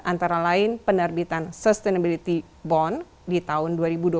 antara lain penerbitan sustainability bond di tahun dua ribu dua puluh satu